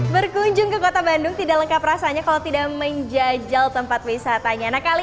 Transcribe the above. berkunjung ke kota bandung tidak lengkap rasanya kalau tidak menjajal tempat wisatanya nah kali